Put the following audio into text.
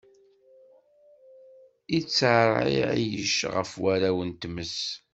Itteṛɛiɛic ɣef warraw n tmes.